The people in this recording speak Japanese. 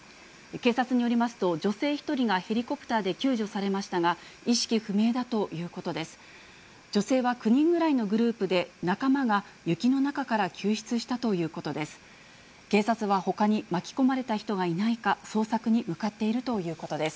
警察によりますと、女性１人がヘリコプターで救助されましたが、意識不明だということです。